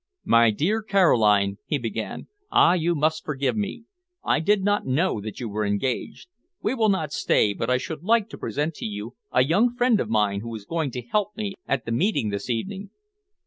"My dear Caroline," he began, "ah, you must forgive me. I did not know that you were engaged. We will not stay, but I should like to present to you a young friend of mine who is going to help me at the meeting this evening."